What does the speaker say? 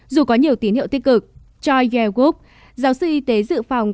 dù có nhiều tín hiệu tích cực choi ye wook giáo sư y tế dự phòng